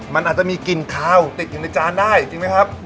มันอาจจะมีกลิ่นคาวติดอยู่ในจานได้จริงไหมครับ